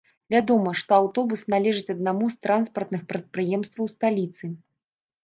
Вядома, што аўтобус належыць аднаму з транспартных прадпрыемстваў сталіцы.